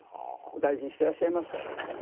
大事にしてらっしゃいました。